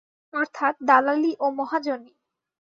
অর্থাৎ দালালি ও মহাজনি।